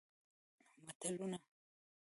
متلونه